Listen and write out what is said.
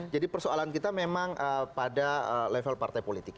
persoalan kita memang pada level partai politik